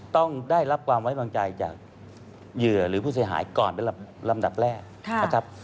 ต้องได้รับความไว้วางใจจากเหยื่อหรือผู้เสียหายก่อนเป็นลำดับแรกนะครับ